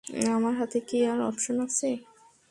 আমার হাতে কি আর অপশন আছে?